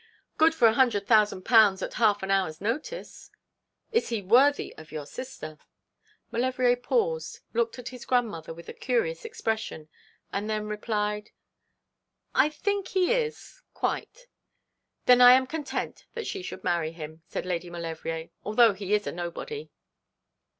'Good for a hundred thousand pounds at half an hour's notice.' 'Is he worthy of your sister?' Maulevrier paused, looked at his grandmother with a curious expression, and then replied 'I think he is quite.' 'Then I am content that she should marry him,' said Lady Maulevrier, 'although he is a nobody.'